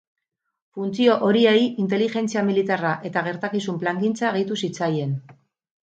Funtzio horiei inteligentzia militarra eta gertakizun plangintza gehitu zitzaien.